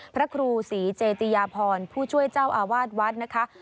พระครูศรีเจติยาพรผู้ช่วยเจ้าอาวาสวัดนะคะ